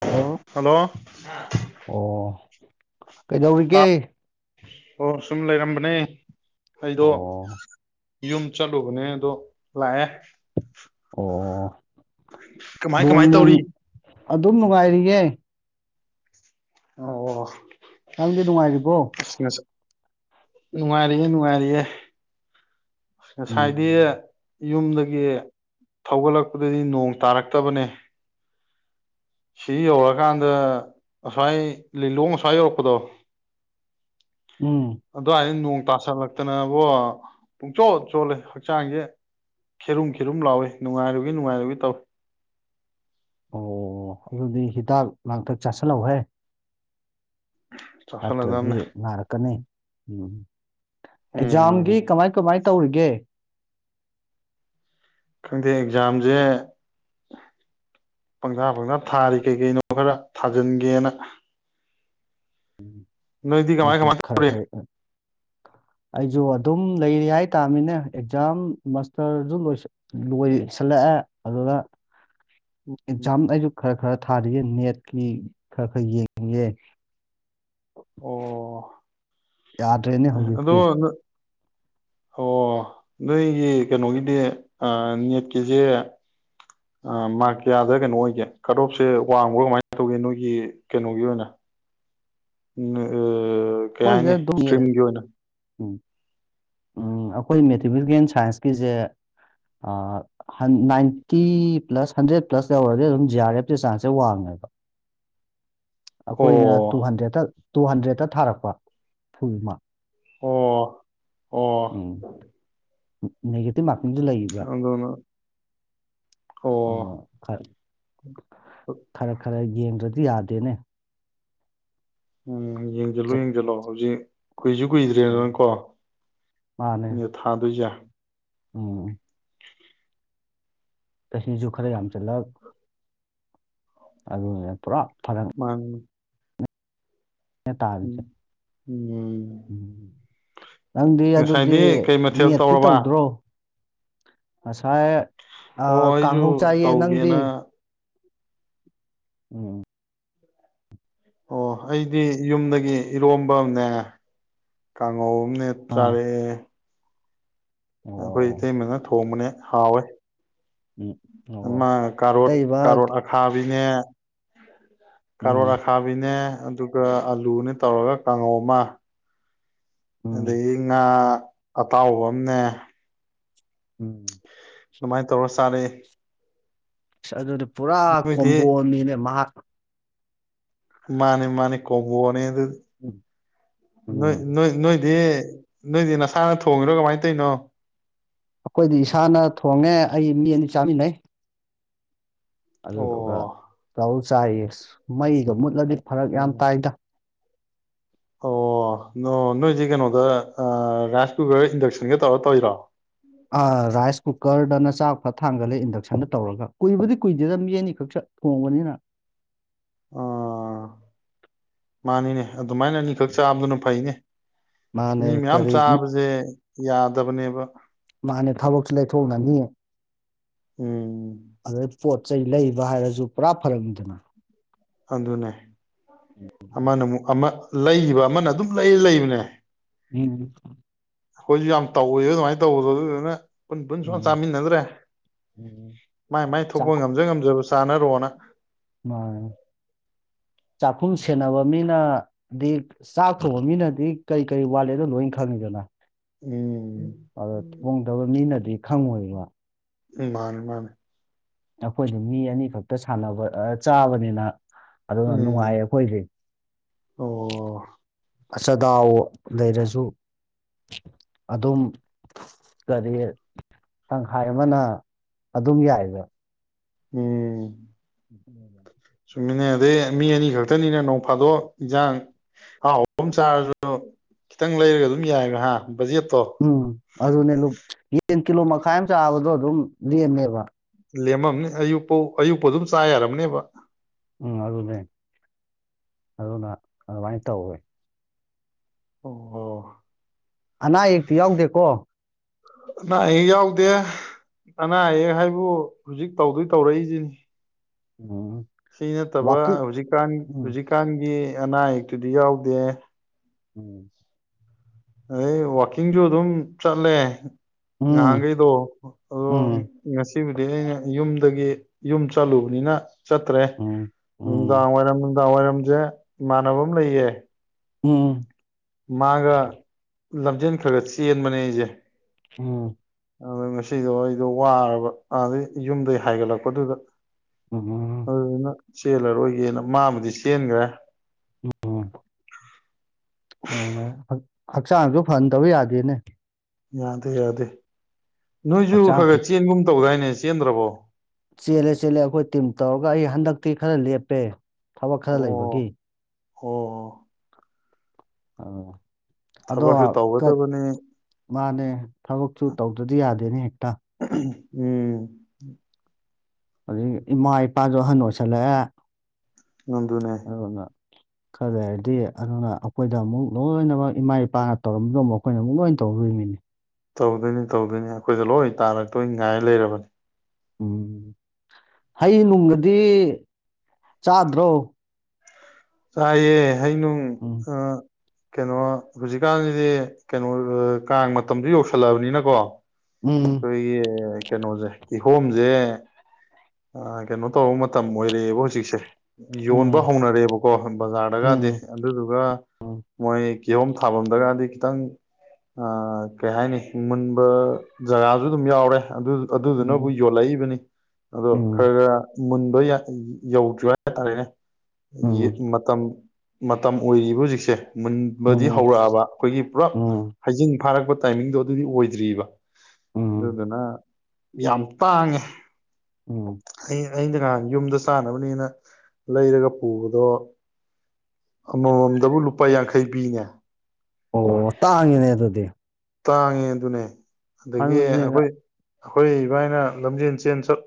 hello ꯑꯣ ꯀꯩꯗꯧꯔꯤꯒꯦ ꯑꯣ ꯁꯟ ꯂꯩꯔꯝꯝꯕꯅꯦ ꯑꯩꯗꯣ ꯑꯣ ꯌꯨꯝ ꯆꯠꯂꯨꯕꯅꯦ ꯑꯗꯣ ꯂꯥꯛꯑꯦ ꯑꯣ ꯀꯃꯥꯏ ꯅꯣꯡ ꯀꯃꯥꯏ ꯅꯨꯡ ꯇꯧꯔꯤ ꯑꯗꯨꯝ ꯅꯨꯡꯉꯥꯏꯔꯤꯌꯦ ꯑꯣ ꯅꯪꯗꯤ ꯅꯨꯡꯉꯥꯏꯔꯤꯕꯣ ꯅꯨꯡꯉꯔꯤꯌꯦ ꯅꯨꯡꯉꯔꯤꯌꯦ ꯉꯁꯥꯏꯗ ꯎꯝ ꯌꯨꯝꯗꯒꯤ ꯊꯧꯒꯠꯂꯛꯄꯗꯗꯤ ꯅꯣꯡ ꯇꯥꯔꯛꯇꯕꯅꯦ ꯁꯤ ꯌꯧꯔꯛꯀꯥꯟꯗ ꯑꯁꯋꯥꯏ ꯂꯤꯂꯣꯡ ꯑꯁꯋꯥꯏ ꯌꯧꯔꯛꯄꯗꯣ ꯎꯝ ꯑꯗꯣ ꯍꯥꯏ ꯅꯣꯡ ꯇꯥꯁꯜꯂꯛꯇꯅꯕꯣ ꯄꯨꯡꯆꯣꯠ ꯆꯣꯠꯂꯦ ꯍꯛꯆꯥꯡꯁꯦ ꯈꯦꯔꯨꯝ ꯈꯦꯔꯨꯝ ꯂꯥꯎꯏ ꯅꯨꯡꯉꯥꯏꯔꯨꯒꯤ ꯅꯨꯡꯉꯥꯏꯔꯨꯒꯤ ꯇꯧꯏꯤ ꯑꯣ ꯑꯗꯨꯗꯤ ꯍꯤꯗꯥꯛ ꯂꯥꯡꯊꯛ ꯆꯥꯁꯤꯜꯍꯧꯍꯦ ꯅꯠꯇ꯭ꯔꯗꯤ ꯆꯥꯎꯁꯜꯂꯗꯕꯅꯦ ꯅꯥꯔꯛꯀꯅꯤ ꯎꯝ ꯎꯝ ꯑꯦꯛꯖꯥꯝꯒꯤ ꯀꯃꯥꯏ ꯀꯃꯥꯏ ꯇꯧꯔꯤꯒꯦ ꯈꯪꯗꯦ ꯑꯦꯛꯖꯥꯝꯁꯦ ꯄꯪꯖꯥ ꯄꯪꯁꯥ ꯊꯥꯔꯤ ꯀꯩ ꯀꯩꯅꯣ ꯈꯔ ꯊꯥꯖꯤꯟꯒꯦꯅ ꯎꯝ ꯅꯣꯏꯗꯤ ꯀꯃꯥꯏ ꯑꯩꯁꯨ ꯀꯃꯥꯏ ꯈꯔ ꯇꯧꯔꯤ ꯈꯔ ꯑꯩꯁꯨ ꯑꯗꯨꯝ ꯂꯩꯔꯤ ꯍꯥꯏꯇꯥꯥꯃꯤꯅꯦ ꯑꯦꯛꯖꯥꯝ ꯃꯥꯁꯇꯔꯁꯨ ꯂꯣꯏ ꯂꯣꯏꯁꯤꯜꯂꯛꯑꯦ ꯑꯗꯨꯗ ꯑꯦꯛꯖꯥꯝ ꯑꯩꯁꯨ ꯈꯔ ꯈꯔ ꯊꯥꯗꯌꯦ ꯅꯦꯠꯀꯤ ꯈꯔ ꯈꯔ ꯌꯦꯡꯏꯌꯦ ꯑꯣ ꯌꯥꯗ꯭ꯔꯦꯅꯦ ꯑꯗꯣ ꯍꯧꯖꯤꯛꯇꯤ ꯑꯣ ꯅꯣꯏꯒꯤ ꯀꯩꯅꯣꯒꯤꯗꯤ ꯅꯦꯠꯀꯤꯁꯦ ꯃꯥꯔꯀꯤꯌꯥꯗ ꯀꯩꯅꯣ ꯑꯣꯏꯒꯦ ꯀꯠ ꯑꯣꯞꯁꯦ ꯋꯥꯡꯕ꯭ꯔꯥ ꯀꯃꯥꯏꯅ ꯇꯧꯒꯦ ꯅꯣꯏꯒꯤ ꯀꯩꯅꯣꯒꯤ ꯑꯣꯏꯅ ꯀꯩ ꯍꯥꯏꯅꯤ ꯁꯇ꯭ꯔꯤꯝꯒꯤ ꯑꯣꯏꯅ ꯎꯝ ꯎꯝ ꯑꯩꯈꯣꯏ ꯃꯦꯊꯃꯦꯇꯤꯀꯦꯜ ꯁꯥꯏꯟꯁꯀꯤꯁꯦ ꯅꯥꯏꯟꯇꯤ ꯄ꯭ꯂꯁ ꯍꯟꯗ꯭ꯔꯦꯠ ꯄ꯭ꯂꯁ ꯌꯧꯔꯗꯤ ꯑꯗꯨꯝ ꯖꯤ ꯑꯥꯔ ꯑꯦꯐꯀꯤ ꯆꯥꯟꯁꯁꯦ ꯋꯥꯡꯉꯦꯕ ꯈꯣꯏꯅ ꯑꯣ ꯇꯨ ꯍꯟꯗ꯭ꯔꯦꯠꯇ ꯇꯨ ꯍꯟꯗ꯭ꯔꯦꯠꯇ ꯊꯥꯔꯛꯄ ꯐꯨꯜ ꯃꯥꯛ ꯑꯣ ꯑꯣ ꯅꯦꯒꯦꯇꯤꯞ ꯃꯥꯛ ꯑꯗꯨꯅ ꯑꯣ [unintelligible] ꯌꯦꯡꯗ꯭ꯔꯥꯗꯤ ꯌꯥꯗꯦꯅꯦ ꯎꯝ ꯌꯦꯡꯖꯜꯂꯣ ꯆꯦꯛ ꯌꯦꯡꯖꯜꯂꯣ ꯍꯧꯖꯤꯛ ꯀꯨꯏꯁꯨ ꯎꯝ ꯀꯨꯏꯗ꯭ꯔꯦꯗꯅꯀꯣ ꯃꯥꯅꯦ ꯅꯤꯠ ꯊꯥꯗꯣꯏꯖꯦ ꯎꯝ ꯆꯍꯤꯁꯨ ꯈꯔ ꯌꯥꯝ ꯖꯜꯂꯛ ꯑꯗꯨꯅꯦ ꯄꯨꯔꯥ ꯐꯔꯛꯅꯦ ꯃꯅꯤ ꯇꯥꯔꯤꯁꯦ ꯎꯝ ꯎꯝ ꯅꯪꯗꯤ ꯑꯗꯨꯗꯤ ꯉꯁꯥꯏꯗꯤ ꯀꯩ ꯃꯊꯦꯜ ꯅꯦꯠꯇꯤ ꯇꯧꯔꯕ ꯇꯧꯗ꯭ꯔꯣ ꯉꯁꯥꯏ ꯑ ꯑꯣ ꯑꯩꯁꯨ ꯀꯥꯡꯍꯧ ꯆꯥꯏꯌꯦ ꯅꯪꯗꯤ ꯇꯧꯒꯦꯅ ꯎꯝ ꯑꯣ ꯑꯩꯗꯤ ꯌꯨꯝꯗꯒꯤ ꯏꯔꯣꯝꯕ ꯑꯝꯅꯦ ꯀꯥꯡ ꯍꯧ ꯑꯝꯅꯦ ꯑꯥ ꯆꯥꯔꯛꯑꯦ ꯑꯣ ꯑꯩꯈꯣꯏ ꯑꯣ ꯏꯇꯩ ꯃꯥꯅ ꯊꯣꯡꯕꯅꯦ ꯍꯥꯎꯋꯦ ꯎꯝ ꯑꯣ ꯃꯥ ꯀꯥꯔꯣꯠ ꯑꯇꯩꯕ ꯀꯥꯔꯣꯠ ꯑꯈꯥꯕꯤ [inaudible] ꯎꯝ ꯀꯔꯣꯠ ꯑꯈꯥꯕꯤꯅꯦ ꯑꯗꯨꯒ ꯑꯥꯂꯨꯅꯦ ꯇꯧꯔꯒ ꯀꯥꯡꯉꯧ ꯑꯃ ꯎꯝ ꯑꯗꯩꯗꯤ ꯉꯥ ꯑꯇꯥꯎꯕ ꯑꯝꯅꯦ ꯎꯝ ꯑꯗꯨꯃꯥꯏ ꯇꯧꯔ ꯆꯥꯔꯦ [inaudible] ꯄꯨꯔꯥ ꯀꯣꯝꯕꯣꯅꯤꯅꯦ ꯃꯍꯥꯛ ꯃꯥꯅꯦ ꯃꯥꯅꯦ ꯀꯣꯝꯕꯣꯅꯦ ꯑꯗꯨ ꯎꯝ ꯅꯣꯏ ꯎꯝ ꯅꯣꯏ ꯅꯣꯏ ꯗꯤ ꯅꯣꯏꯗꯤ ꯅꯁꯥꯅ ꯊꯣꯡꯉꯤꯔꯣ ꯀꯃꯥꯏ ꯇꯩꯅꯣ ꯑꯩꯈꯣꯏꯗꯤ ꯏꯁꯥꯅ ꯊꯣꯡꯉꯦ ꯑꯩ ꯃꯤ ꯑꯅꯤ ꯆꯥꯃꯤꯟꯅꯩ ꯑꯗꯨꯒ ꯑꯣ ꯇꯎ ꯆꯥꯏꯌꯦꯁ ꯃꯩꯒ ꯃꯨꯠꯂꯗꯤ ꯐꯔꯛ ꯌꯥꯝ ꯑꯣ ꯇꯥꯏꯗ ꯑꯣ ꯅꯣ ꯅꯣꯏꯗꯤ ꯀꯩꯅꯣꯗ ꯔꯥꯏꯁ ꯀꯨꯀꯔ ꯏꯟꯗꯛꯁꯟꯒ ꯇꯧꯔ ꯇꯧꯔꯤꯔꯣ ꯑ ꯔꯥꯏꯁ ꯀꯨꯀꯔꯗꯅ ꯆꯥꯛ ꯐꯠ ꯊꯥꯡꯒꯠꯂꯦ ꯏꯟꯗꯛꯁꯟꯗ ꯇꯧꯔꯒ ꯀꯨꯏꯕꯗꯤ ꯀꯨꯏꯗꯦꯗ ꯃꯤ ꯑꯅꯤꯈꯛ ꯁ ꯊꯣꯡꯕꯅꯤꯅ ꯑꯣ ꯃꯥꯅꯤꯅꯦ ꯑꯗꯨꯃꯥꯏꯅ ꯑꯅꯤꯈꯛ ꯆꯥꯕꯗꯨꯅ ꯐꯩꯅꯦ ꯃꯅꯦ ꯃꯤ ꯃꯌꯥꯝ ꯀꯔꯤ ꯆꯥꯕꯁꯦ ꯌꯥꯗꯕꯅꯦꯕ ꯃꯅꯦ ꯊꯕꯛꯁꯨ ꯂꯩꯥꯏꯊꯣꯛꯅꯅꯤ ꯎꯝ ꯑꯗ ꯄꯣꯠ ꯆꯩ ꯂꯩꯕ ꯍꯥꯏꯔꯁꯨ ꯄꯨꯔꯥ ꯐꯔꯛꯅꯤꯗꯅ ꯑꯗꯨꯅꯦ ꯑꯃꯅꯃꯨꯛ ꯑꯃ ꯂꯩꯒꯤꯕ ꯑꯃꯅ ꯑꯗꯨꯝ ꯂꯩ ꯂꯩꯕꯅꯦ ꯎꯝ ꯑꯩꯈꯣꯁꯨ ꯌꯥꯝ ꯇꯧꯋꯦ ꯑꯗꯨꯃꯥꯏꯅ ꯇꯧꯕꯗꯣ ꯑꯗꯨꯗꯨꯅ ꯄꯨꯟ ꯄꯨꯟ ꯁꯨꯡ ꯎꯝ ꯆꯥꯃꯤꯟꯅꯗ꯭ꯔꯦ ꯎꯝ ꯃꯥꯏ ꯃꯥꯏ ꯊꯣꯛꯄ ꯉꯝꯖ ꯉꯝꯖꯕꯁꯨ [unintelligible] ꯃꯥ ꯆꯥꯛꯈꯨꯝ ꯁꯦꯟꯅꯕ ꯃꯤꯅꯗꯤ ꯆꯥꯛ ꯊꯣꯡꯕ ꯃꯤꯅꯗꯤ ꯀꯔꯤ ꯀꯔꯤ ꯋꯥꯠꯂꯤꯅꯣ ꯂꯣꯏ ꯈꯪꯉꯤꯗꯅ ꯎꯝ ꯑꯗꯣ ꯊꯣꯡꯗꯕ ꯃꯤꯅꯗꯤ ꯈꯪꯉꯣꯏꯕ ꯃꯅꯦ ꯃꯅꯦ ꯑꯩꯈꯣꯏꯁꯨ ꯃꯤ ꯑꯅꯤ ꯈꯛꯇ ꯁꯟꯅꯕ ꯆꯥꯕꯅꯤꯅ ꯑꯗꯨ ꯅꯨꯡꯉꯥꯏꯌꯦ ꯎꯝ ꯑꯩꯈꯣꯏꯗꯤ ꯑꯣ ꯑꯆꯗꯥꯎ ꯂꯩꯔꯁꯨ ꯑꯗꯨꯝ ꯀꯔꯤ ꯇꯡꯈꯥꯏ ꯑꯃꯅ ꯑꯗꯨꯝ ꯌꯏꯕ ꯎꯝ [unintelligible] ꯑꯗꯨꯅꯤꯅꯦ ꯅꯣꯡꯐꯗꯣꯛ ꯏꯟꯖꯡ ꯑꯍꯥꯎꯕꯃ ꯆꯔꯁꯨ ꯈꯤꯇꯪ ꯂꯩꯔꯒ ꯑꯗꯨꯝ ꯌꯏ ꯍꯥ ꯕꯖꯦꯠꯇꯣ ꯎꯝ ꯑꯗꯨꯅꯦ ꯀꯤꯂꯣ ꯃꯈꯥꯏ ꯑꯃ ꯆꯕꯗꯣ ꯑꯗꯨꯝ ꯂꯦꯝꯃꯦꯕ ꯂꯦꯝꯃꯝꯅꯤ ꯑꯌꯨꯛꯄꯧ ꯑꯗꯨꯝ ꯆꯥ ꯌꯥꯔꯝꯅꯦꯕ ꯎꯝ ꯑꯗꯨꯅꯦ ꯑꯗꯨꯅ ꯑꯗꯨꯃꯥꯏꯅ ꯇꯧꯋꯦ ꯑꯣ ꯍꯣ ꯑꯅꯥ ꯑꯌꯦꯛꯇꯤ ꯌꯥꯎꯗꯦꯀꯣ ꯑꯅꯥ ꯑꯌꯦꯛ ꯌꯥꯎꯗꯦ ꯑꯅꯥ ꯑꯌꯦꯛ ꯍꯥꯏꯕꯨ ꯍꯧꯖꯤꯛ ꯇꯧꯗꯣꯏ ꯇꯧꯔꯛꯏꯁꯤꯅꯤ ꯎꯝ ꯁꯤ ꯅꯠꯇꯕ ꯋꯥꯀꯤꯡ ꯍꯧꯖꯤꯛꯀꯥꯟ ꯎꯝ ꯍꯧꯖꯤꯛꯀꯥꯟꯒꯤ ꯑꯅꯥ ꯑꯌꯦꯛꯇꯨꯗꯤ ꯌꯎꯗꯦ ꯎꯝ ꯑꯗꯩ ꯋꯥꯛꯀꯤꯡꯁꯨ ꯑꯗꯨꯝ ꯆꯠꯂꯦ ꯎꯝ ꯉꯍꯟꯈꯩꯗꯣ ꯑꯗꯣ ꯎꯝ ꯉꯁꯤꯕꯨꯗꯤ ꯑꯩꯅ ꯌꯨꯝꯗꯒꯤ ꯌꯨꯝ ꯆꯠꯂꯨꯕꯅꯤꯅ ꯆꯠꯇ꯭ꯔꯦ ꯎꯝ ꯎꯝ ꯅꯨꯡꯗꯥꯡ ꯋꯥꯏꯔꯝ ꯅꯨꯡꯗꯥꯡ ꯋꯥꯏꯔꯝꯁꯦ ꯏꯃꯥꯟꯅꯕ ꯑꯃ ꯂꯩꯌꯦ ꯎꯝ ꯃꯥꯒ ꯂꯝꯖꯦꯟ ꯈꯔ ꯒ ꯆꯦꯟꯕꯅꯦ ꯑꯩꯁꯦ ꯎꯝ ꯑꯩꯗꯣ ꯉꯁꯤꯗꯣ ꯑꯩꯗꯣ ꯋꯥꯔꯕ ꯑꯗꯩ ꯌꯨꯝꯗꯩ ꯍꯥꯏꯒꯠꯂꯛꯄꯗꯨꯗ ꯎꯝ ꯑꯗꯨꯗꯨꯅ ꯆꯦꯜꯂꯔꯣꯏꯒꯦꯅ ꯃꯥꯕꯨꯗꯤ ꯆꯦꯟꯈꯒ꯭ꯔꯦ ꯎꯝ [inaudible] ꯍꯛꯆꯥꯡꯁꯨ ꯐꯍꯟꯗꯕ ꯌꯥꯗꯦꯅꯦ ꯌꯥꯗꯦ ꯌꯥꯗꯦ ꯅꯣꯏꯁꯨ ꯈꯔ ꯍꯛꯆꯥꯡ ꯐꯤꯠ ꯈꯔ ꯆꯦꯟꯒꯨꯝ ꯇꯧꯗꯥꯏꯅꯦ ꯆꯦꯟꯗ꯭ꯔꯕꯣ ꯆꯦꯜꯂꯦ ꯆꯦꯜꯂꯦ ꯑꯩꯈꯣꯏ ꯇꯤꯝ ꯇꯧꯔꯒ ꯑꯩ ꯍꯟꯗꯛ ꯇꯤ ꯈꯔ ꯂꯞꯄꯦ ꯊꯕꯛ ꯈꯔ ꯂꯩꯕꯒꯤ ꯍꯣꯍꯣ ꯑꯥ ꯑꯗꯣ ꯊꯕꯛꯁꯨ ꯀ ꯇꯧꯒꯗꯕꯅꯤ ꯃꯥꯅꯦ ꯊꯕꯛꯁꯨꯨ ꯇꯧꯗ꯭ꯔꯗꯤ ꯌꯥꯗꯦꯅꯦ ꯍꯦꯛꯇ ꯎꯝ ꯑꯗꯩꯒꯤ ꯏꯃꯥ ꯏꯄꯥꯁꯨ ꯑꯍꯟ ꯑꯣꯏꯁꯜꯂꯛꯑꯦ ꯑꯗꯨꯅꯦ ꯑꯗꯨꯅ ꯈꯔ ꯂꯩꯔꯗꯤ ꯑꯜꯅ ꯑꯗꯨꯅ ꯑꯩꯈꯣꯏꯗ ꯑꯃꯨꯛ ꯂꯣꯏꯅꯃꯨꯛ ꯏꯃꯥ ꯏꯄꯥꯅ ꯇꯧꯔꯝꯕꯗꯣ ꯃꯨꯛ ꯑꯩꯈꯣꯏꯅ ꯑꯃꯨꯛ ꯂꯣꯏꯅ ꯇꯧꯗꯣꯏꯃꯤꯅꯦ ꯇꯧꯗꯣꯏꯅꯤ ꯇꯧꯗꯣꯏꯅꯤ ꯑꯩꯈꯣꯏꯗ ꯂꯣꯏ ꯇꯥꯔꯛꯇꯣꯏ ꯉꯥꯏ ꯂꯩꯔꯕꯅꯤ ꯎꯝ ꯍꯩ ꯅꯨꯡꯒꯗꯤ ꯆꯥꯗ꯭ꯔꯣ ꯆꯥꯏꯌꯦ ꯍꯅꯨꯡ ꯎꯝ ꯑꯥ ꯀꯩꯅꯣ ꯍꯧꯖꯤꯛꯀꯥꯟꯁꯤꯗꯤ ꯀꯩꯅꯣ ꯀꯥꯡ ꯃꯇꯝꯗꯨ ꯌꯧꯁꯜꯂꯛ ꯑꯕꯅꯤꯅꯀꯣ ꯎꯝ ꯑꯩꯈꯣꯏꯒꯤ ꯀꯩꯅꯣꯁꯦ ꯀꯤꯍꯣꯝꯖꯦ ꯑ ꯀꯩꯅꯣ ꯇꯧꯕ ꯃꯇꯝ ꯑꯣꯏꯔꯛ ꯑꯦꯕ ꯍꯧꯖꯤꯛꯁꯦ ꯌꯣꯟꯕ ꯎꯝ ꯍꯧꯅꯔꯦꯕꯀꯣ ꯕꯖꯥꯔꯗꯒꯗꯤ ꯎꯝ ꯑꯗꯨꯗꯨꯒ ꯃꯣꯏ ꯀꯤꯍꯣꯝ ꯊꯥꯐꯝꯗꯒꯗꯤ ꯈꯤꯇꯪ ꯀꯩ ꯍꯥꯏꯅꯤ ꯃꯨꯟꯕ ꯖꯒꯥꯁꯨ ꯑꯗꯨꯝ ꯌꯥꯎꯔꯦ ꯑꯗꯨ ꯑꯗꯨꯗꯨꯅꯕꯨ ꯎꯝ ꯌꯣꯜꯂꯛꯏꯕꯅꯤ ꯎꯝ [unintelligible] ꯃꯨꯟꯕ ꯌꯥ ꯌꯧꯗ꯭ꯔꯤꯕ ꯍꯥꯏꯇꯥꯔꯦꯍꯦ ꯌꯦ ꯎꯝ ꯃꯇꯝ ꯃꯠ ꯃꯇꯝ ꯑꯣꯏꯔꯤꯕ ꯍꯧꯖꯤꯛꯁꯦ ꯃꯨꯟ ꯕꯗꯤ ꯎꯝ ꯍꯧꯔꯛꯑꯕ ꯑꯩꯈꯣꯏꯒꯤ ꯄꯨꯔꯞ ꯎꯝ ꯍꯩꯖꯤꯡ ꯐꯥꯔꯛꯄ ꯇꯥꯏꯃꯤꯡꯗꯣ ꯑꯗꯨꯗꯤ ꯑꯣꯏ ꯗ꯭ꯔꯤꯕ ꯎꯝ ꯑꯗꯨꯗꯨꯅ ꯌꯥꯝ ꯇꯥꯡꯉꯦ ꯎꯝ ꯑꯩ ꯑꯩꯅ ꯌꯨꯝꯗ ꯆꯥꯅꯕꯅꯦꯅ ꯂꯩꯔꯒ ꯄꯨꯕꯗꯣ ꯑꯃꯃꯝꯗꯕꯨ ꯂꯨꯄꯥ ꯌꯥꯡꯈꯩ ꯄꯤꯅꯦ ꯑꯣ ꯇꯥꯡꯉꯤꯅꯦ ꯑꯗꯨꯗꯤ ꯇꯥꯡꯉꯦ ꯑꯗꯨꯅꯦ ꯑꯗꯒꯤ ꯑꯗꯨꯗꯤ ꯑꯩꯈꯣꯏ ꯑꯩꯈꯣꯏ ꯏꯕꯥꯏꯅ ꯂꯝꯖꯦꯟ ꯆꯦꯟ ꯆꯠ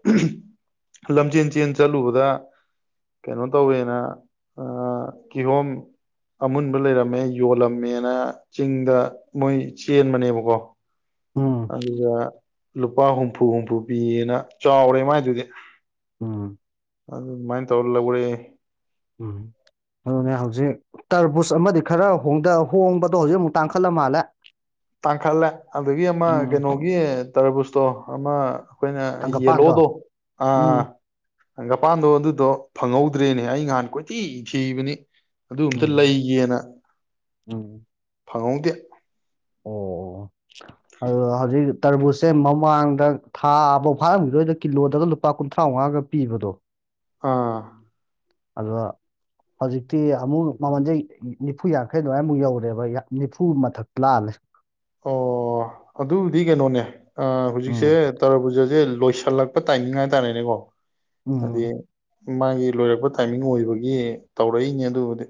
ꯂꯝꯖꯦꯟ ꯆꯦꯟ ꯆꯠꯂꯨꯕꯗ ꯀꯩꯅꯣ ꯇꯧꯋꯦꯅ ꯀꯤꯍꯣꯝ ꯑꯃꯨꯟꯕ ꯂꯩꯔꯝꯃꯦ ꯌꯣꯜꯂꯝꯃꯦꯅ ꯆꯤꯡꯗ ꯃꯣꯏ ꯆꯦꯟꯕꯅꯦꯕꯀꯣ ꯎꯝ ꯑꯗꯨꯒ ꯂꯨꯄꯥ ꯍꯨꯝꯐꯨ ꯍꯨꯝꯐꯨ ꯄꯤꯌꯦꯅ ꯆꯥꯎꯔꯦ ꯃꯥꯏꯗꯨꯗꯤ ꯎꯝ ꯑꯗꯨ ꯑꯗꯨꯃꯥꯏꯅ ꯇꯧꯔ ꯂꯧꯔꯦ ꯎꯝ ꯑꯗꯨꯅꯦ ꯍꯧꯖꯤꯛ ꯇꯔꯕꯨꯁ ꯑꯃꯗꯤ ꯈꯔ ꯍꯣꯡꯗ ꯍꯣꯡꯕꯗꯣ ꯍꯧꯖꯤꯛ ꯑꯃꯨꯛ ꯇꯥꯡꯈꯠꯂ ꯃꯥꯜꯂꯦ ꯇꯥꯡꯈꯠꯂꯦ ꯑꯗꯨꯗꯒꯤ ꯑꯃ ꯎꯝ ꯀꯩꯅꯣꯒꯤ ꯇꯔꯕꯨꯁꯇꯣ ꯑꯃ ꯑꯩꯈꯣꯏꯅ ꯍꯪꯒꯄꯥꯟꯗꯣ ꯌꯦꯂꯣꯗꯣ ꯑꯥ ꯑꯥ ꯎꯝ ꯍꯪꯒꯄꯥꯟꯗꯣ ꯑꯗꯨꯗꯣ ꯐꯪꯍꯧꯗ꯭ꯔꯦꯅꯦ ꯑꯩ ꯉꯍꯥꯟ ꯀꯣꯏꯊꯤ ꯊꯤꯕꯅꯤ ꯑꯗꯨ ꯑꯝꯇ ꯎꯝ ꯂꯩꯒꯦꯅ ꯎꯝ ꯐꯪꯍꯧꯗꯦ ꯑꯣ ꯑ ꯍꯧꯖꯤꯛ ꯇꯔꯕꯨꯁꯦ ꯃꯃꯥꯡꯗ ꯊꯥꯕꯥꯎ ꯐꯥꯔꯝꯈꯤꯔꯣꯏꯗ ꯀꯤꯂꯣꯗꯒ ꯂꯨꯄꯥ ꯀꯨꯟꯊ꯭ꯔꯥꯎꯉꯥꯒ ꯄꯤꯕꯗꯣ ꯑꯥ ꯑꯗꯣ ꯍꯧꯖꯤꯛꯇꯤ ꯑꯃꯨꯛ ꯃꯃꯜꯁꯦ ꯅꯤꯐꯨ ꯌꯥꯡꯈꯩ ꯑꯗꯨꯃꯥꯏꯃꯨꯛ ꯌꯧꯔꯦꯕ ꯅꯤꯐꯨ ꯃꯊꯛ ꯂꯥꯛꯂꯦ ꯑꯣ ꯑꯗꯨꯕꯨꯗꯤ ꯀꯩꯅꯣꯅꯦ ꯑꯥ ꯎꯝ ꯍꯧꯖꯤꯛꯁꯦ ꯇꯔꯥꯕꯨꯖꯁꯦ ꯂꯣꯏꯁꯤꯜꯂꯛꯄ ꯇꯥꯏꯃꯤꯡ ꯍꯥꯏꯇꯥꯔꯦꯅꯦꯀꯣ ꯍꯥꯏꯗꯤ ꯎꯝ ꯃꯥꯒꯤ ꯂꯣꯏꯔꯛꯄ ꯇꯥꯏꯃꯤꯡ ꯑꯣꯏꯕꯒꯤ ꯇꯧꯔꯛꯏꯅꯦ ꯑꯗꯨꯕꯨꯗꯤ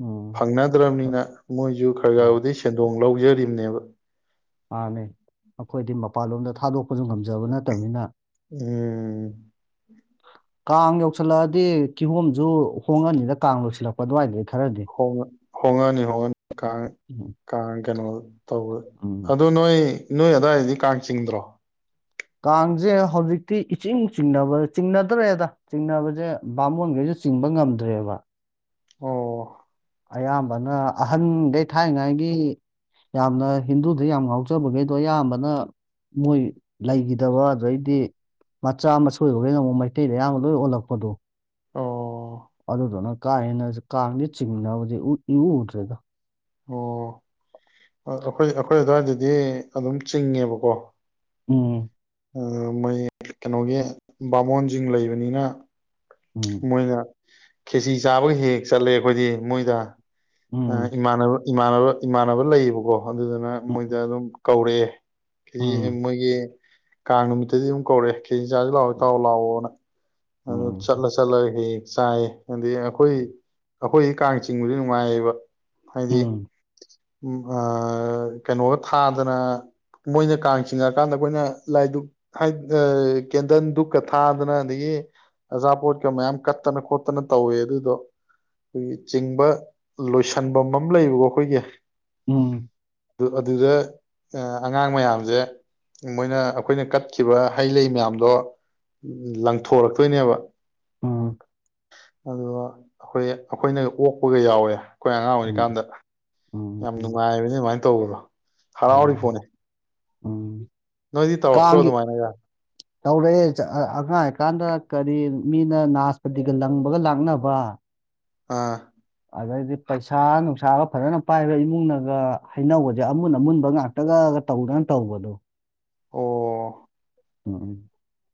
ꯎꯝ ꯐꯪꯅꯗ꯭ꯔꯕꯅꯤꯅ ꯃꯣꯏꯁꯨ ꯈꯔ ꯑ ꯈꯔ ꯕꯨꯗꯤ ꯁꯦꯟꯗꯣꯡ ꯂꯧꯖꯔꯤꯝꯅꯦꯕ ꯎ [inaudible] ꯃꯥꯅꯦ ꯑꯩꯈꯣꯏꯗꯤ ꯃꯄꯥꯟꯂꯣꯝꯗ ꯊꯥꯗꯣꯛꯄꯁꯨ ꯉꯝ ꯖꯕ ꯅꯠꯇꯕꯅꯤꯅ ꯎꯝ ꯀꯥꯡ ꯌꯧꯁꯤꯜꯂꯛꯑꯗꯤ ꯀꯤꯍꯣꯝꯁꯨ ꯍꯣꯡꯉꯛꯑꯅꯤꯗ ꯀꯥꯡ ꯂꯣꯢꯁꯤꯜꯂꯛꯄ ꯑꯗꯨꯋꯥꯢꯗꯩ ꯍꯣꯡ ꯍꯣꯡꯉꯅꯤ ꯍꯣꯡꯉꯅꯤ ꯀꯥꯡ ꯎꯝ ꯀꯥꯡ ꯀꯩꯅꯣ ꯇꯧ ꯎꯝ ꯑꯗꯨ ꯅꯣꯏ ꯅꯣꯏ ꯑꯗꯥꯏꯗꯤ ꯀꯥꯡ ꯆꯤꯡꯗ꯭ꯔꯣ ꯀꯥꯡꯁꯦ ꯍꯧꯖꯤꯛꯇꯤ ꯏꯤꯆꯤꯡ ꯆꯤꯡꯅꯕ ꯆꯤꯡꯅꯗ꯭ꯔꯦꯗ ꯆꯤꯡꯅꯕꯁꯦ ꯕꯥꯃꯣꯟꯈꯩꯖꯦ ꯆꯤꯡꯕ ꯉꯝꯗ꯭ꯔꯦꯕ ꯑꯣ ꯑꯌꯥꯝꯕꯅ ꯑꯍꯟꯒꯩ ꯊꯥꯏꯅꯉꯥꯏꯒꯤ ꯌꯥꯝꯅ ꯍꯤꯟꯗꯨꯗ ꯌꯥꯝ ꯉꯥꯎꯖꯕꯒꯩꯗꯣ ꯑꯌꯥꯝꯕꯅ ꯃꯣꯏ ꯂꯩꯈꯤꯗꯕ ꯑꯗꯩꯗꯤ ꯃꯆꯥ ꯃꯁꯨꯗꯨꯒꯩꯅ ꯃꯩꯇꯩꯗ ꯑꯌꯥꯝꯕ ꯂꯣꯏ ꯑꯣꯜꯂꯛꯄꯗꯣ ꯑꯣ ꯑꯗꯨꯗꯨꯅ ꯀꯥ ꯍꯦꯅ ꯀꯥꯡꯗꯤ ꯆꯤꯡꯅꯕꯗꯤ ꯏꯎ ꯎꯗ꯭ꯔꯦꯗ ꯑꯣ ꯑꯣꯈꯣꯏ ꯑꯩꯈꯣꯏ ꯑꯗꯨꯋꯥꯏꯗꯗꯤ ꯑꯦ ꯑꯗꯨꯝ ꯆꯤꯡꯉꯦꯕꯀꯣ ꯎꯝ ꯃꯣꯏ ꯀꯩꯅꯣꯒꯤ ꯕꯥꯃꯣꯟꯁꯤꯡ ꯂꯩꯕꯅꯤꯅ ꯎꯝ ꯃꯣꯏꯅ ꯈꯦꯁꯤ ꯆꯥꯕꯒ ꯍꯦꯛ ꯍꯦꯛ ꯆꯠꯂꯦ ꯑꯩꯈꯣꯏꯗꯤ ꯃꯣꯏꯗ ꯑ ꯎꯝ ꯏꯃꯅꯕ ꯏꯃꯥꯟꯅꯕ ꯏꯃꯥꯟꯅꯕ ꯂꯩꯌꯦꯕꯀꯣ ꯑꯗꯨꯗꯅ ꯎꯝ ꯃꯣꯏꯗ ꯑꯗꯨꯝ ꯀꯧꯔꯦ ꯀꯔꯤ ꯎꯝ ꯃꯣꯏꯒꯤ ꯀꯥꯡ ꯅꯨꯃꯤꯠꯇꯗꯤ ꯑꯗꯨꯝ ꯀꯧꯔꯛ ꯀꯦꯖꯤ ꯆꯥꯔꯁꯤ ꯂꯥꯛꯑꯣ ꯏꯇꯥꯎꯑꯣ ꯂꯥꯛꯑꯣꯅ ꯑꯗꯨ ꯎꯝ ꯆꯠꯂ ꯆꯠꯂꯒ ꯍ ꯆꯥꯏ ꯍꯥꯏꯗꯤ ꯑꯩꯈꯣꯏ ꯑꯩꯈꯣꯏꯗꯤ ꯀꯥꯡ ꯆꯤꯡꯕꯁꯦ ꯅꯨꯡꯉꯥꯏꯌꯦꯕ [inaudible] ꯎꯝ ꯍꯥꯏꯗꯤ ꯎꯝ ꯎ ꯀꯩꯅꯣꯒ ꯊꯥꯗꯅ ꯃꯣꯏꯅ ꯀꯥꯡ ꯆꯤꯡꯉꯛꯀꯥꯟꯗ ꯑꯩꯈꯣꯏꯅ ꯂꯥꯏ ꯗꯨꯛ ꯀꯦꯟꯗꯜ ꯗꯨꯛꯀ ꯊꯥꯗꯅ ꯑꯗꯒꯤ ꯑꯆꯥꯄꯣꯠꯀ ꯃꯌꯥꯝ ꯀꯠꯇꯅ ꯈꯣꯠꯇꯅ ꯇꯧꯋꯦ ꯑꯗꯨꯗꯣ ꯆꯤꯡꯕ ꯂꯣꯏꯁꯟꯐꯝ ꯑꯃ ꯂꯩꯕꯀꯣ ꯑꯩꯈꯣꯏꯒꯤ ꯑ ꯎꯝ ꯑꯗꯨꯗ ꯑꯉꯥꯡ ꯃꯌꯥꯝꯖꯦ ꯃꯣꯏꯅ ꯑꯩꯈꯣꯏꯅ ꯀꯠꯈꯤꯕ ꯍꯩ ꯂꯩ ꯃꯌꯥꯝꯗꯣ ꯂꯪꯊꯣꯔꯛꯇꯣꯏꯅꯦꯕ ꯑꯝ ꯑꯗꯣ ꯑꯩꯈꯣꯏ ꯑꯩꯈꯣꯏꯅ ꯑꯣꯛꯄꯒ ꯌꯥꯎꯋꯦ ꯑꯩꯈꯣꯏ ꯑꯉꯥꯡ ꯎꯝ ꯑꯣꯏꯔꯤꯀꯥꯟꯗ ꯎꯝ ꯌꯥꯝ ꯎꯝ ꯅꯨꯡꯉꯥꯏꯕꯅꯤ ꯑꯗꯨꯃꯥꯏꯅ ꯇꯧꯕꯗꯣ [unintelligible] ꯍꯥꯔꯥꯎꯔꯤ ꯄꯣꯠꯅꯤ ꯎꯝ ꯅꯣꯏꯗꯤ ꯇꯧꯔꯛꯇ꯭ꯔꯣ ꯀꯥꯡꯒꯤ ꯑꯗꯨꯃꯥꯏꯅꯒ ꯇꯧꯔꯛꯑꯦ ꯑꯉꯥꯡꯀꯥꯟꯗ ꯀꯔꯤ ꯃꯤꯅ ꯅꯥꯁꯄꯇꯤꯒ ꯂꯪꯕꯒ ꯂꯥꯛꯅꯕ ꯑꯥ ꯑꯗꯩꯗꯤ ꯄꯩꯁꯥ ꯅꯨꯡꯁꯥꯒ ꯐꯖꯅ ꯄꯥꯏꯕ ꯏꯃꯨꯡꯅꯒ ꯍꯩꯅꯧꯒꯁꯦ ꯑꯃꯨꯟ ꯑꯃꯨꯟꯕ ꯉꯥꯛꯇꯒꯒ ꯇꯧꯗꯅ ꯇꯧꯕꯗꯣ ꯑꯣ [unintelligible]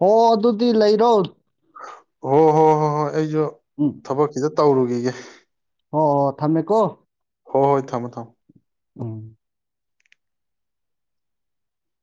ꯍꯣ ꯑꯗꯨꯗꯤ ꯂꯩꯔꯣ ꯑꯣ ꯍꯣ ꯍꯣ ꯍꯣꯏ ꯑꯩꯁꯨ ꯊꯕꯛ ꯈꯤꯇ ꯇꯧꯔꯨ [unintelligible] ꯑꯣ ꯊꯝꯃꯦꯀꯣ ꯍꯣ ꯍꯣꯏ ꯊꯝꯃꯣ ꯊꯝ ꯎꯝ